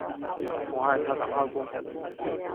宠爱她的阿公